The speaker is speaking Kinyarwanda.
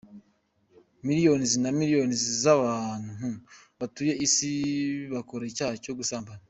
Millions and millions z’abantu batuye isi bakora icyaha cyo gusambana.